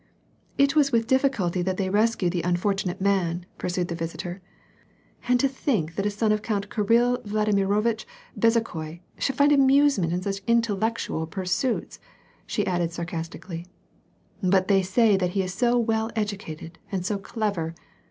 "It wiis with difficulty that they rescued the unfortunate man," pursued the visitor. "And to think that a son of Count Kirill Vladimirovitch Bezukhoi should iind amusement in such intellectual pursuits," she added, sarcastically. " But they say that he is so well educated and so clever.